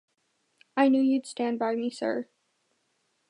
I knew you'd stand by me, sir.